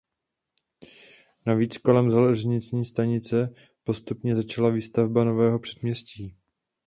Navíc kolem železniční stanice postupně začala výstavba nového předměstí.